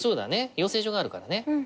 養成所があるからね。